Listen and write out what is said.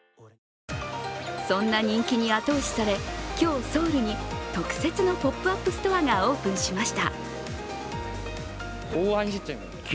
そんな人気に後押しされ、今日、ソウルに特設のポップアップストアがオープンしました。